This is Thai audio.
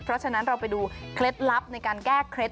เพราะฉะนั้นเราไปดูเคล็ดลับในการแก้เคล็ด